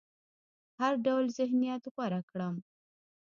هر ډول ذهنيت غوره کړم.